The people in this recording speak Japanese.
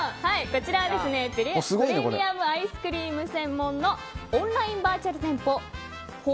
こちらはプレミアムアイスクリーム専門のオンラインバーチャル店舗